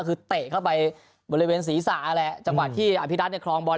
คือเตะเข้าไปบริเวณศรีษะจังหวะที่อภิรัตน์ในคลองบอล